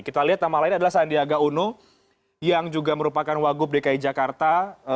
kita lihat nama lain adalah sandiaga uno yang juga merupakan wagub dki jakarta